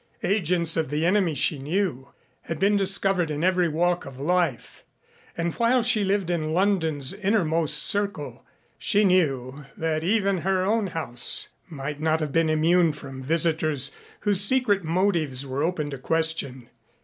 Agents of the enemy, she knew, had been discovered in every walk of life, and while she lived in London's innermost circle, she knew that even her own house might not have been immune from visitors whose secret motives were open to question.